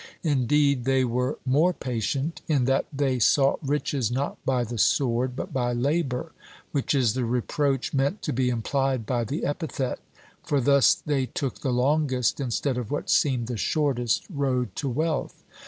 Indeed, they were more patient, in that they sought riches not by the sword but by labor, which is the reproach meant to be implied by the epithet; for thus they took the longest, instead of what seemed the shortest, road to wealth.